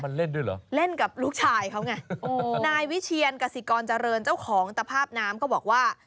มันเล่นด้วยเหรอเล่นกับลูกชายเขาไงนายวิเชียนกสิกรเจริญเจ้าของตภาพน้ำก็บอกว่า